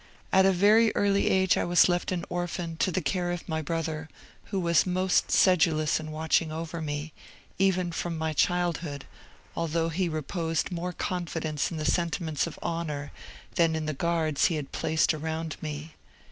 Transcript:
At a very early age I was left an orphan to the care of my brother, who was most sedulous in watching over me, even from my childhood, although he reposed more confidence in my sentiments of honour than in the guards he had placed around me.